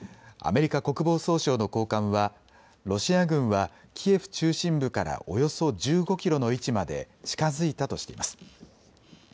アメリカ国防総省の高官はロシア軍はキエフ中心部からおよそ１５キロの位置まで近づいたとしています。